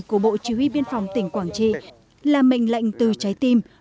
của bộ chỉ huy biên phòng tỉnh quảng trị là mệnh lệnh từ trái tim